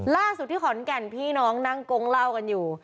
ล่าสุดที่ขอนแก่นพี่น้องนั่งกงเล่ากันอยู่